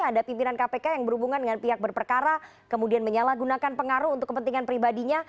ada pimpinan kpk yang berhubungan dengan pihak berperkara kemudian menyalahgunakan pengaruh untuk kepentingan pribadinya